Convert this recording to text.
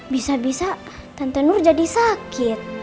bisa bisa tante nur jadi sakit